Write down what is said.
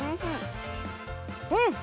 うん！